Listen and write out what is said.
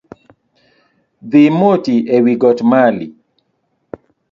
Dhi moti e wigot mali.